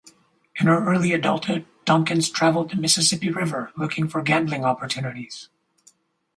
In her early adulthood Thompkins traveled the Mississippi River looking for gambling opportunities.